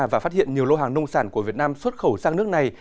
và phát hiện nhiều lô hàng nông sản của việt nam xuất khẩu sang nước này